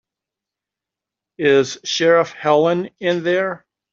Is Sheriff Helen in there?